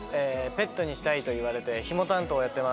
ペットにしたいといわれてヒモ担当やってます